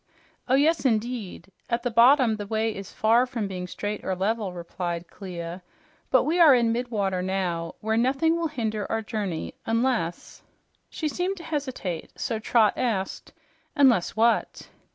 "Oh yes indeed. At the bottom, the way is far from being straight or level," replied Clia. "But we are in mid water now, where nothing will hinder our journey, unless " She seemed to hesitate, so Trot asked, "Unless what?"